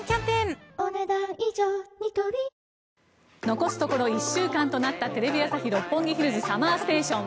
残すところ１週間となったテレビ朝日・六本木ヒルズＳＵＭＭＥＲＳＴＡＴＩＯＮ。